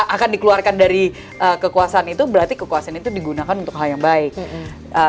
akan dikeluarkan dari kekuasaan itu berarti kekuasaan itu digunakan untuk hal yang baik